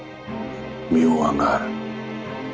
妙案がある。